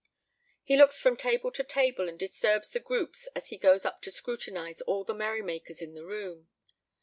He looks from table to table, and disturbs the groups as he goes up to scrutinize all the merrymakers in the room.